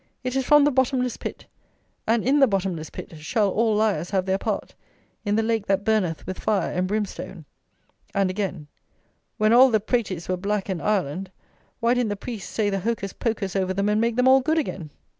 It is from the bottomless pit; and in the bottomless pit shall all liars have their part, in the lake that burneth with fire and brimstone." And again: "When all the praties were black in Ireland, why didn't the priests say the hocus pocus over them, and make them all good again?"